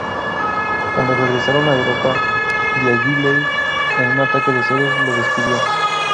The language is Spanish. Cuando regresaron a Europa, Diáguilev, en un ataque de celos, lo despidió.